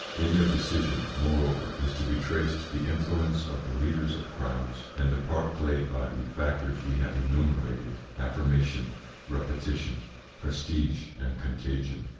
In their decision, moreover, is to be traced the influence of the leaders of crowds and the part played by the factors we have enumerated: affirmation, repetition, prestige, and contagion.